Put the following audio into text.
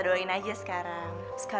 boleh kalau kamu mau